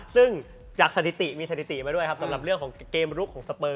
ซึ่งจากสถิติมีสถิติมาด้วยครับสำหรับเรื่องของเกมลุกของสเปอร์